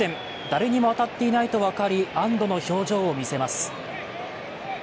誰にも当たっていないと分かり、安どの表情を見せます。